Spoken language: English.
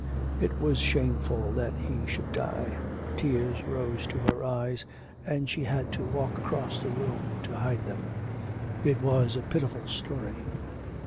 It was shameful that he should die; tears rose to her eyes, and she had to walk across the room to hide them. It was a pitiful story.